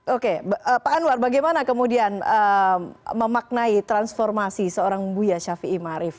oke pak anwar bagaimana kemudian memaknai transformasi seorang buya shafi'i ma'arif